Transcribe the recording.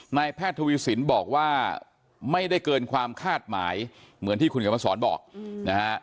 แพทย์ทวีสินบอกว่าไม่ได้เกินความคาดหมายเหมือนที่คุณเขียนมาสอนบอกนะฮะ